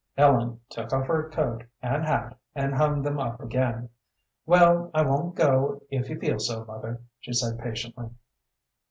Ellen took off her coat and hat and hung them up again. "Well, I won't go if you feel so, mother," she said, patiently.